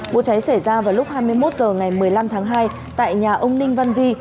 vụ cháy xảy ra vào lúc hai mươi một h ngày một mươi năm tháng hai tại nhà ông ninh văn vi